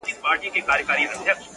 یوه ورځ صحرايي راغی پر خبرو.!